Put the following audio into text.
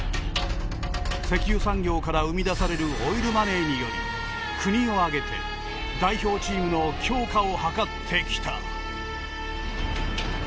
石油産業から生み出されるオイルマネーにより国を挙げて代表チームの強化を図ってきた。